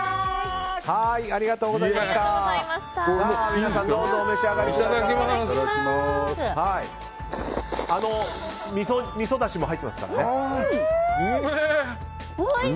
皆さんどうぞお召し上がりください。